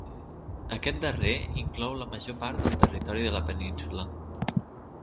Aquest darrer inclou la major part del territori de la península.